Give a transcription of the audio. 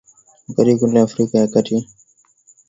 wakati kule afrika ya kati itakuwa ni saa kumi na moja